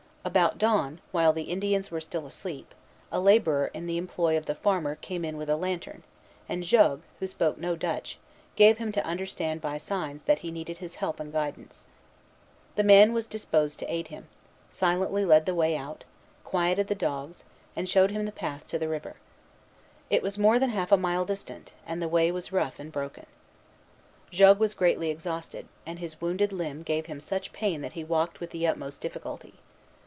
About dawn, while the Indians were still asleep, a laborer in the employ of the farmer came in with a lantern, and Jogues, who spoke no Dutch, gave him to understand by signs that he needed his help and guidance. The man was disposed to aid him, silently led the way out, quieted the dogs, and showed him the path to the river. It was more than half a mile distant, and the way was rough and broken. Jogues was greatly exhausted, and his wounded limb gave him such pain that he walked with the utmost difficulty.